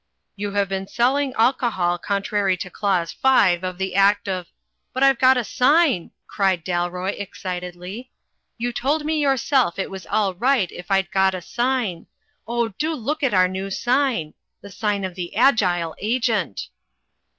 "You have been selling alcohol contrary to Clause V. of the Act of " "But I've got a sign," cried Dalroy, excitedly, "you told me yourself it was all right if I'd got a sign. Oh, do look at our new sign! The 'Sign of the Agile Agent.'